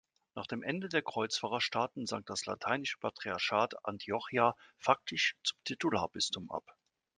Nach dem Ende der Kreuzfahrerstaaten sank das Lateinische Patriarchat Antiochia faktisch zum Titularbistum ab.